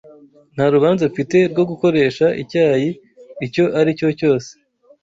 Nta rubanza mfite rwo gukoresha icyayi icyo aricyo cyose